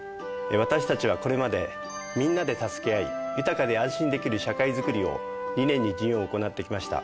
私たちはこれまで「みんなでたすけあい、豊かで安心できる社会づくり」を理念に事業を行ってきました。